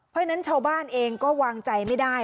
เพราะฉะนั้นชาวบ้านเองก็วางใจไม่ได้